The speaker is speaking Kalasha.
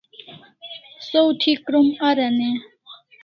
Saw thi krom aran e?